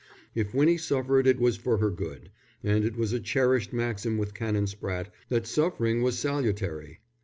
If Winnie suffered, it was for her good, and it was a cherished maxim with Canon Spratte that suffering was salutary.